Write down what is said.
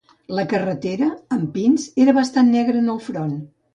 La carretera, amb pins, era bastant negra en el front.